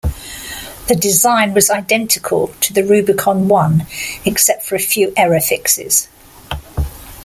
The design was identical to the Rubicon I, except for a few error fixes.